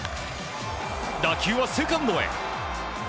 打球はセカンドへ。